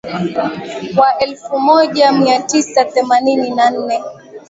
Wa elfu moja mia tisa themanini na nne